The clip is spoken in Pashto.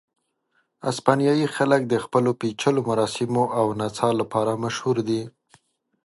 اسپانیایي خلک د خپلو پېچلیو مراسمو او نڅاو لپاره مشهور دي.